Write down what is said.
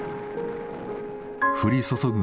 降り注ぐ